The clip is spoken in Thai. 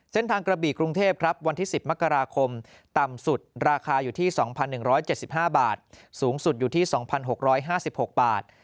กระบี่กรุงเทพครับวันที่๑๐มกราคมต่ำสุดราคาอยู่ที่๒๑๗๕บาทสูงสุดอยู่ที่๒๖๕๖บาท